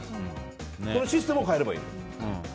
このシステムを変えればいい。